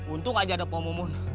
untung aja ada pomomun